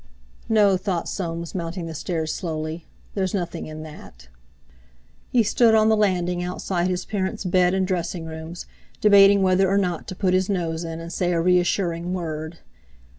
"No," thought Soames, mounting the stairs slowly, "there's nothing in that!" He stood on the landing outside his parents' bed and dressing rooms, debating whether or not to put his nose in and say a reassuring word.